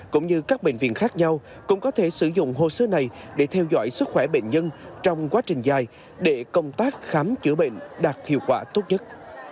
cũng như các bệnh viện khác nhau cũng có thể sử dụng hồ sơ này để theo dõi sức khỏe bệnh nhân trong quá trình dài để công tác khám chữa bệnh đạt hiệu quả tốt nhất